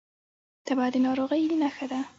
تبه د ناروغۍ نښه ده